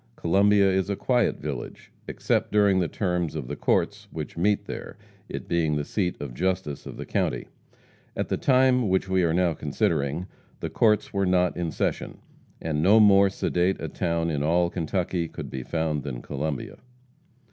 Columbia is a quiet village, except during the terms of the courts which meet there, it being the seat of justice of the county. At the time which we are now considering, the courts were not in session, and no more sedate a town in all Kentucky could be found than Columbia.